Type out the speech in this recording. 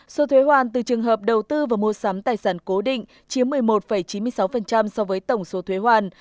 số thuế hoàn từ trường hợp đầu tư và mua sắm tài sản cố định chiếm một mươi một chín mươi sáu so với tổng số thuế hoàn